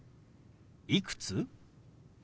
「いくつ？」。